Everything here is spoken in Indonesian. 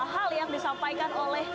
hal yang disampaikan oleh